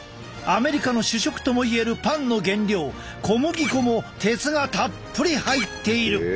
アメリカの主食とも言えるパンの原料小麦粉も鉄がたっぷり入っている。